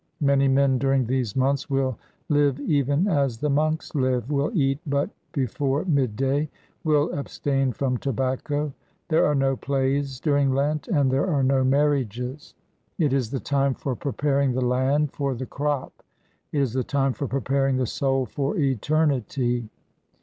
Many men during these months will live even as the monks live, will eat but before mid day, will abstain from tobacco. There are no plays during Lent, and there are no marriages. It is the time for preparing the land for the crop; it is the time for preparing the soul for eternity.